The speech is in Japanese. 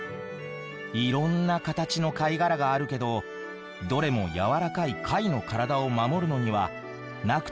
いろんな形の貝殻があるけどどれも軟らかい貝の体を守るのにはなくてはならないものなんだよ。